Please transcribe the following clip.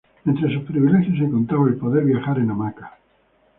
Entre sus privilegios, se contaba el poder viajar en hamaca.